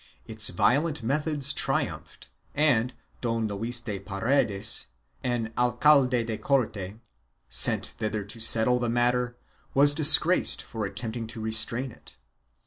Its violent methods triumphed and Don Luis de Paredes, an alcalde de corte, sent thither to settle the matter, was disgraced for attempting to restrain it.